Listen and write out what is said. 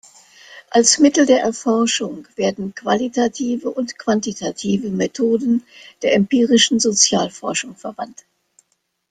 Als Mittel der Erforschung werden qualitative und quantitative Methoden der empirischen Sozialforschung verwandt.